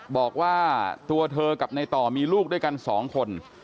บอกว่าตัวเธอกับในต่อมีลูกด้วยกัน๒คน